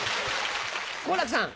好楽さん。